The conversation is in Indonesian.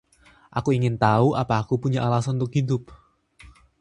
Aku ingin tahu apa aku punya alasan untuk hidup?